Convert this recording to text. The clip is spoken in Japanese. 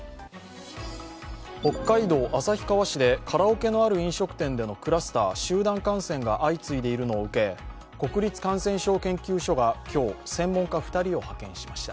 北海道旭川市でカラオケのある飲食店でのクラスター、集団感染が相次いでいるのを受け、国立感染症研究所が今日専門家２人を派遣しました。